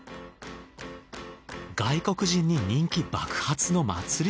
外国人に人気爆発の祭り